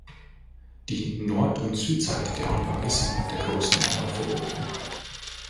Die Nord- und Südseite der Anlage sind mit der Großen Mauer verbunden.